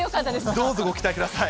どうぞ、ご期待ください。